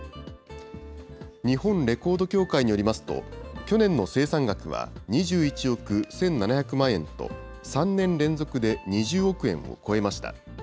日本レコード協会によりますと、去年の生産額は２１億１７００万円と、３年連続で２０億円を超えました。